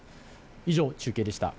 以上、中継でした。